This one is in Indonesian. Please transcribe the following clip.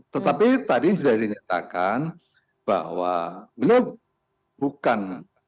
tetapi tadi sudah dinyatakan bahwa beliau bukan